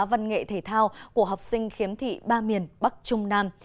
văn nghệ thể thao của học sinh khiếm thị ba miền bắc trung nam